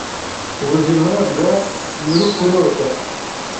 ubuzima bwa nyir’ ukurota.